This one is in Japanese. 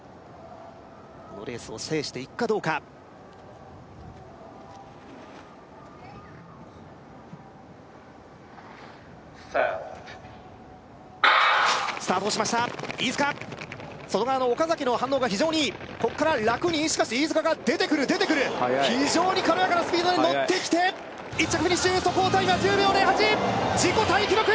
このレースを制していくかどうかＳｅｔスタートをしました飯塚外側の岡崎の反応が非常にいいここから楽にしかし飯塚が出てくる出てくる速い速い非常に軽やかなスピードで乗ってきて１着フィニッシュ速報タイムは１０秒０８自己タイ記録！